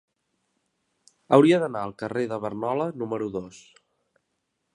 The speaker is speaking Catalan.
Hauria d'anar al carrer de Barnola número dos.